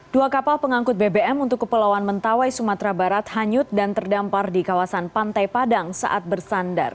dua kapal pengangkut bbm untuk kepulauan mentawai sumatera barat hanyut dan terdampar di kawasan pantai padang saat bersandar